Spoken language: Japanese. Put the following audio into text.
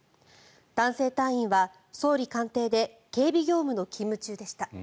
男性隊員は総理官邸で警備業務の勤務中でした。